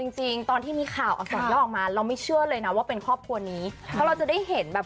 อุ้ยจริงตอนที่มีข่าวออกมาเราไม่เชื่อเลยนะว่าเป็นครอบครัวนี้เราจะได้เห็นแบบ